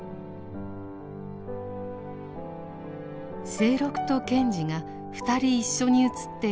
清六と賢治がふたり一緒に写っている